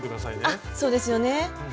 あっそうですよね。